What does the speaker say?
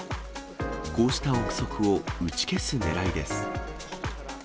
こうした臆測を打ち消すねらいです。